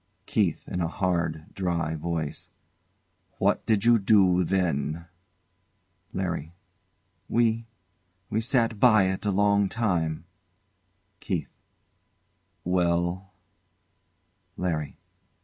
] KEITH. [In a hard, dry voice] What did you do then? LARRY. We we sat by it a long time. KEITH. Well? LARRY.